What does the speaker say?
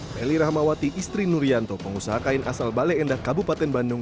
heli rahmawati istri nurianto pengusaha kain asal bale endah kabupaten bandung